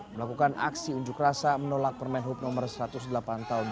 melakukan aksi unjuk rasa menolak permen hub no satu ratus delapan tahun dua ribu dua